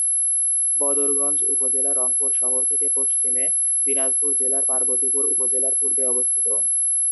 বদরগঞ্জ উপজেলা রংপুর শহর থেকে পশ্চিমে, দিনাজপুর জেলার পার্বতীপুর উপজেলার পূর্বে অবস্থিত।